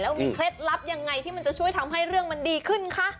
มีเคล็ดลับยังไงที่มันจะช่วยทำให้เรื่องมันดีขึ้นคะ